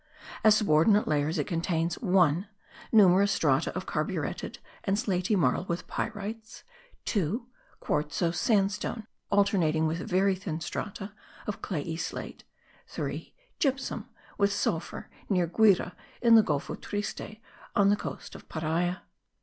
As subordinate layers it contains (1) numerous strata of carburetted and slaty marl with pyrites; (2) quartzose sandstone, alternating with very thin strata of clayey slate; (3) gypsum with sulphur near Guire in the Golfo Triste on the coast of Paria.